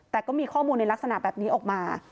แต่ก็มีข้อมูลในลักษณะแบบนี้ออกมา